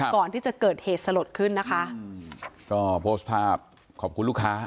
ก่อนที่จะเกิดเหตุสลดขึ้นนะคะอืมก็โพสต์ภาพขอบคุณลูกค้า